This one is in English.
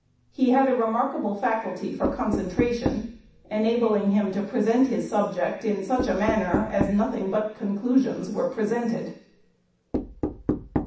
He had a remarkable faculty for concentration, enabling him to present his subject in such a manner, as nothing but conclusions were presented."